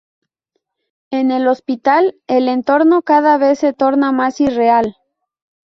En el hospital, el entorno cada vez se torna más irreal.